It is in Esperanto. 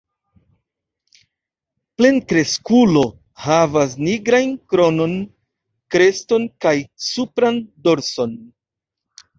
Plenkreskulo havas nigrajn kronon, kreston kaj supran dorson.